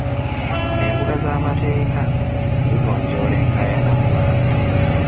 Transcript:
Embuga z'amateeka zigonjoola enkaayana mu bantu.